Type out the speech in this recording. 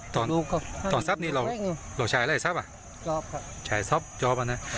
ตอนตอนสับนี้เราเราใช้อะไรหยุดว่าจอบค่ะใช้ซบกอบอ่ะน่ะ